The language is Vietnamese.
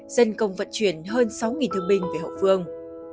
dân công vận chuyển hơn sáu thương binh về hậu phương